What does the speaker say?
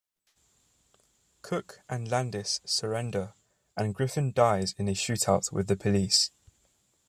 Cook and Landis surrender and Griffin dies in a shootout with the police.